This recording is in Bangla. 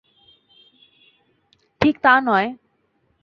ঠিক তা নয়।